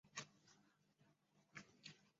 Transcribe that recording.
职涯教练也常被说是职涯指导。